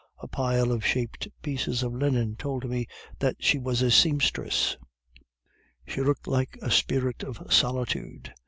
A pile of shaped pieces of linen told me that she was a sempstress. She looked like a spirit of solitude.